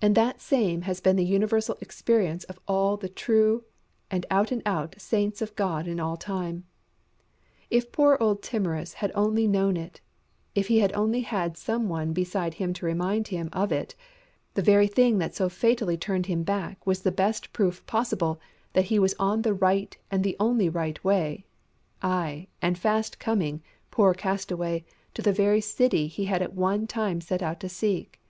And that same has been the universal experience of all the true and out and out saints of God in all time. If poor old Timorous had only known it, if he had only had some one beside him to remind him of it, the very thing that so fatally turned him back was the best proof possible that he was on the right and the only right way; ay, and fast coming, poor old castaway, to the very city he had at one time set out to seek.